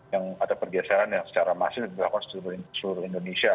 yang ada pergeseran yang secara masif dilakukan seluruh indonesia